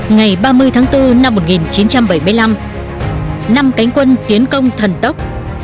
ngày ba mươi tháng bốn năm một nghìn chín trăm bảy mươi năm năm cánh quân tiến công thần tốc